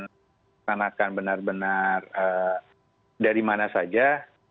dilaksanakan benar benar dari mana saja